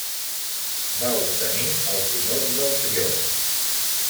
Va obtenir els honors del triomf.